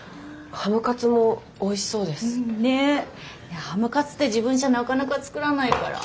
ハムカツって自分じゃなかなか作らないから。